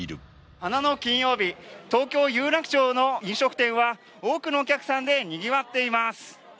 花の金曜日、東京・有楽町の飲食店は多くのお客さんでにぎわっています。